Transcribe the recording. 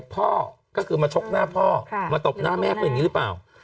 พ่อก็คือมาชกหน้าพ่อมาตบหน้าแม่เขาอย่างนี้หรือเปล่า